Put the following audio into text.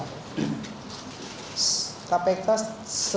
ketika itu pak patrialis menerima uang dua puluh ribu dolar